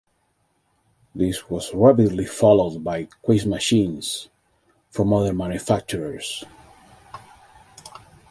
This was rapidly followed by quiz machines from other manufacturers.